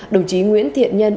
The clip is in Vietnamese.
đồng chí nguyễn thiện nhân